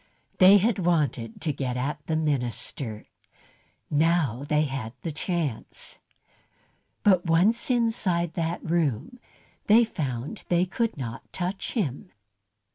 They had wanted to get at the minister, now they had the chance. But once inside that room, they found they could not touch him.